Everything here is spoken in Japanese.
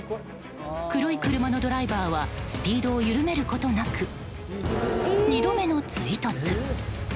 黒い車のドライバーはスピードを緩めることなく２度目の追突。